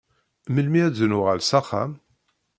Melmi ad nuɣal s axxam?